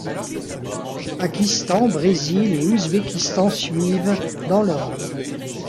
Pakistan, Brésil et Ouzbékistan suivent, dans l'ordre.